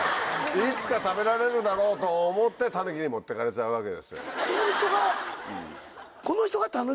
いつか食べられるだろうと思ってタヌキに持ってかれちゃうわけですよ。